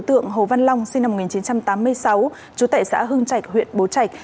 đối tượng hồ văn long sinh năm một nghìn chín trăm tám mươi sáu chú tệ xã hưng trạch huyện bố trạch